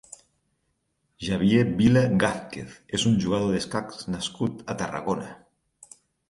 Xavier Vila Gázquez és un jugador d'escacs nascut a Tarragona.